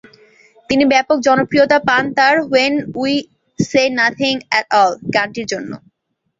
তিনি ব্যাপক জনপ্রিয়তা পান তার ""when you say nothing at all"" গানটির জন্য।